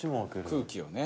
空気をね